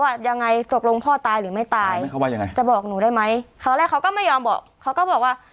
ว่ายังไงตกลงพ่อตายหรือไม่ตายเขาว่ายังไงจะบอกหนูได้ไหมครั้งแรกเขาก็ไม่ยอมบอกเขาก็บอกว่า